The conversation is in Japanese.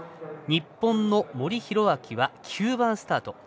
日本の森宏明は９番スタート。